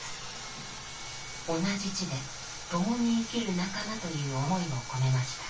「同じ地でともに生きる仲間」という思いを込めました。